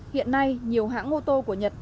hiện nay nhiều hãng ô tô của nhật